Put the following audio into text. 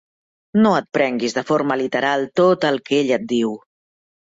No et prenguis de forma literal tot el que ella et diu.